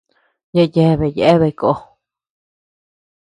Yaʼa yeabea yéabea koo.